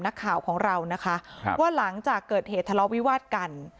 นักข่าวของเรานะคะว่าหลังจากเกิดเหตุทะเลาะวิวาดกัน